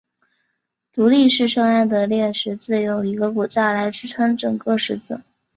独立式圣安得烈十字有一个骨架来支撑整个十字。